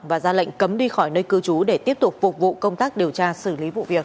và ra lệnh cấm đi khỏi nơi cư trú để tiếp tục phục vụ công tác điều tra xử lý vụ việc